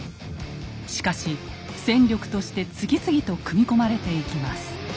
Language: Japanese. しかし戦力として次々と組み込まれていきます。